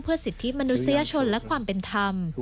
สิทธิมนุษยชนและความเป็นธรรม